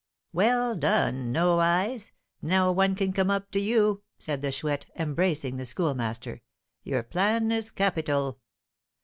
'" "Well done, No Eyes! No one can come up to you," said the Chouette, embracing the Schoolmaster. "Your plan is capital!